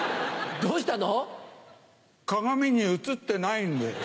どうしたの？